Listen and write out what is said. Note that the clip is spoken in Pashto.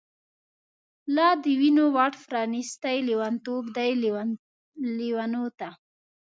لا د وینو واټ پرانیستۍ، لیونتوب دی لیونوته